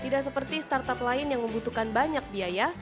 tidak seperti startup lain yang membutuhkan banyak biaya